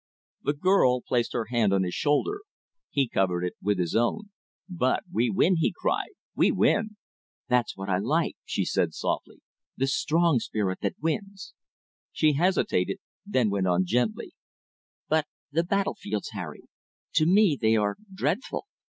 The girl placed her hand on his shoulder. He covered it with his own. "But we win!" he cried. "We win!" "That is what I like," she said softly, "the strong spirit that wins!" She hesitated, then went on gently, "But the battlefields, Harry; to me they are dreadful.